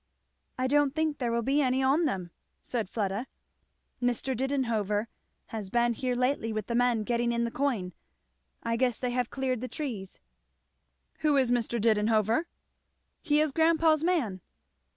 "I don't think there will be any on them," said Fleda; "Mr. Didenhover has been here lately with the men getting in the coin, I guess they have cleared the trees." "Who is Mr. Didenhover?" "He is grandpa's man."